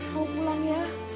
kau pulang ya